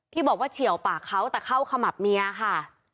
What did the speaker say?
บอกว่าเฉียวปากเขาแต่เข้าขมับเมียค่ะ